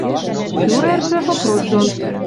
Фюрержӹ вопрос дон: